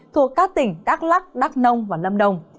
thuộc các tỉnh đắk lắc đắk nông và lâm đồng